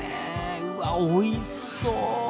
うわおいしそう！